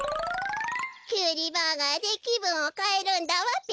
きゅうりバーガーできぶんをかえるんだわべ。